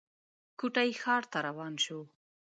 کوټې ښار ته روان شو.